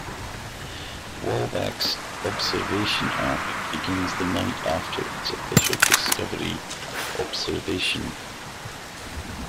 "Walbeck"s observation arc begins the night after its official discovery observation.